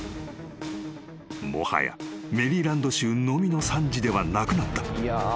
［もはやメリーランド州のみの惨事ではなくなった］